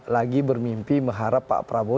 lagi bermimpi mengharap pak prabowo